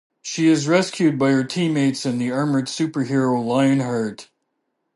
She is rescued by her teammates and the armored superhero Lionheart.